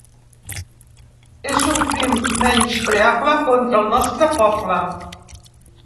És un crim menyspreable contra el nostre poble.